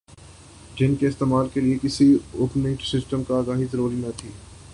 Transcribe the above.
جن کے استعمال کے لئے کسی اوپریٹنگ سسٹم سے آگاہی ضروری نہ تھی